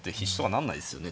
なんないですよね